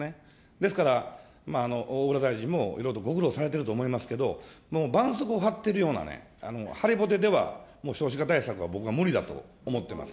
ですから、小倉大臣も、いろいろとご苦労されてると思いますけど、もうばんそうこうを貼っているような張りぼてでは、少子化対策は無理だと思っています。